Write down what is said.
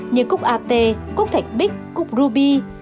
như cúc ate cúc thạch bích cúc ruby